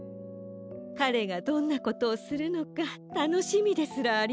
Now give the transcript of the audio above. かれがどんなことをするのかたのしみですらありました。